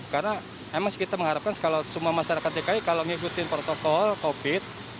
karena emang kita mengharapkan kalau semua masyarakat dki kalau mengikuti protokol covid sembilan belas